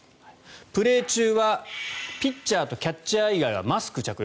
プレー中はピッチャーとキャッチャー以外はマスク着用。